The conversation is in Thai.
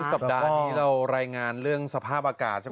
สัปดาห์นี้เรารายงานเรื่องสภาพอากาศใช่ไหม